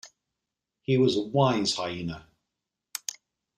He was a wise hyena.